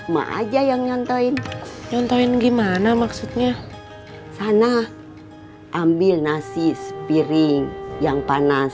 mah aja yang nyantain nyantain gimana maksudnya sana ambil nasi sepiring yang panas